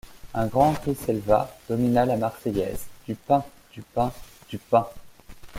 Un grand cri s’éleva, domina la Marseillaise: — Du pain! du pain ! du pain !